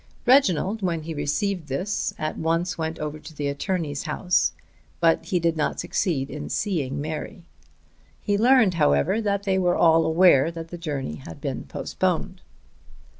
Reginald when he received this at once went over to the attorney's house, but he did not succeed in seeing Mary. He learned, however, that they were all aware that the journey had been postponed.